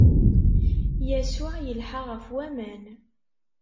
Yasuɛ ilḥa ɣef waman.